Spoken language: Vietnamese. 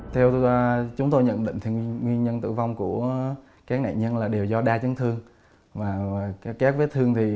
theo chúng tôi nhận định nguyên nhân tử vong của các nạn nhân là đều do đa chứng thương